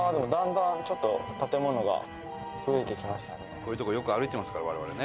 こういうとこよく歩いてますから我々ね。